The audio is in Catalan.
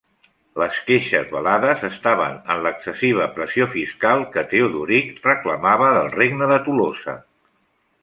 Les queixes velades estaven en l'excessiva pressió fiscal que Teodoric reclamava del Regne de Tolosa.